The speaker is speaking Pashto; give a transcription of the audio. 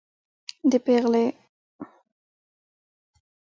د پېغلې و کوس ته د ځوان غڼ لک شوی